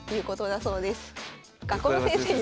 学校の先生にも。